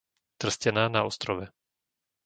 Trstená na Ostrove